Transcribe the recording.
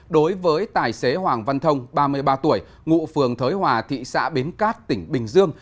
đối với tài xế hoàng văn thông ba mươi ba tuổi ngụ phường thới hòa thị xã bến cát tỉnh bình dương